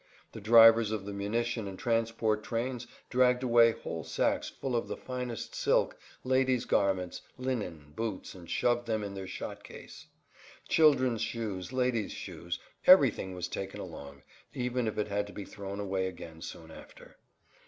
The drivers of the munition and transport trains dragged away whole sacks full of the finest silk, ladies' garments, linen, boots, and shoved them in their shot case. Children's shoes, ladies' shoes, everything was taken along, even if it had to be thrown away again soon after.